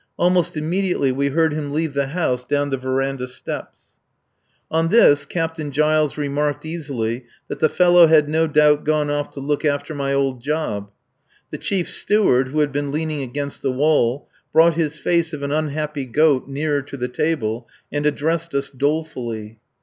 Almost immediately we heard him leave the house down the verandah steps. On this Captain Giles remarked easily that the fellow had no doubt gone off to look after my old job. The Chief Steward, who had been leaning against the wall, brought his face of an unhappy goat nearer to the table and addressed us dolefully.